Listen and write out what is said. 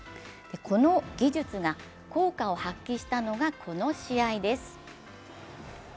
この技術が効果を発揮したのが、この試合です。